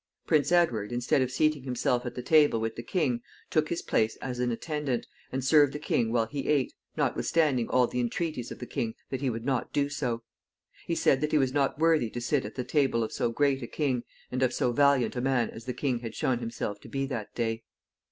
Prince Edward, instead of seating himself at the table with the king, took his place as an attendant, and served the king while he ate, notwithstanding all the entreaties of the king that he would not do so. He said that he was not worthy to sit at the table of so great a king and of so valiant a man as the king had shown himself to be that day.